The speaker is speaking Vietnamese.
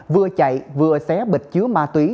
vừa chạy vừa xé bịch chứa ma túy